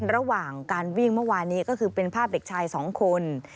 ระหว่างการวิ่งเมื่อวานนี้ก็คือเป็นภาพเด็กชายสองคน